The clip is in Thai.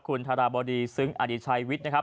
คุณธาราบดีซึ้งอดิชัยวิทย์นะครับ